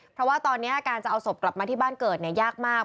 เพราะว่าตอนนี้การจะเอาศพกลับมาที่บ้านเกิดยากมาก